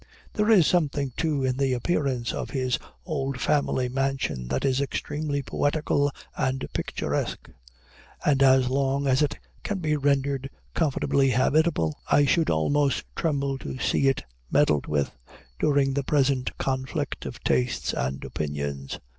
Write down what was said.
There is something, too, in the appearance of his old family mansion that is extremely poetical and picturesque; and, as long as it can be rendered comfortably habitable, I should almost tremble to see it meddled with, during the present conflict of tastes and opinions.